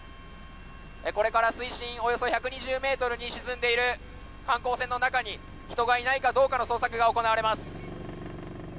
これから水深およそ１２０ｍに沈んでいる観光船の中に人がいないかどうかの捜索が行われます。